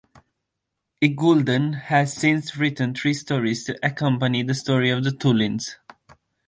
Iggulden has since written three stories to accompany the story of the Tollins.